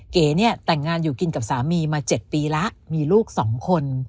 เก๋เนี่ยแต่งงานอยู่กินกับสามีมา๗ปีแล้วมีลูก๒คน